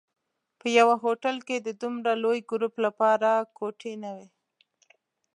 په یوه هوټل کې د دومره لوی ګروپ لپاره کوټې نه وې.